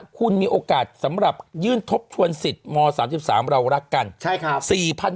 คุณมีโอกาสสำหรับยื่นทบทวนสิทธิ์ม๓๓เรารักกัน